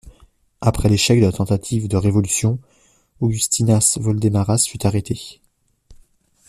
Après l'échec de la tentative de révolution Augustinas Voldemaras fut arrêté.